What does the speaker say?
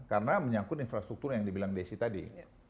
karena menyangkut infrastruktur yang dibilang desi tadi